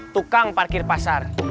tukang parkir pasar